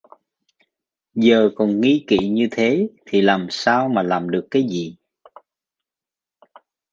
giờ còn nghi kỵ như thế thì làm sao mà làm được cái gì